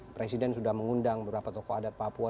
presiden sudah mengundang beberapa odat tokoh papua